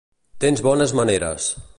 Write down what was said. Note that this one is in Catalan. Tens bones maneres.